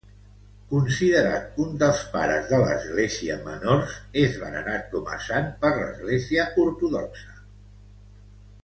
Considerat un dels Pares de l'Església menors, és venerat com a sant per l'Església ortodoxa.